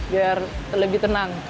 biar lebih tenang